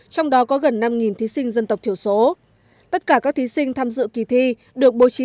trong đó có gần năm thí sinh dân tộc thiểu số tất cả các thí sinh tham dự kỳ thi được bố trí